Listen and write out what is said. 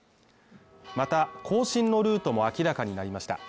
また行進のルートも明らかになりました。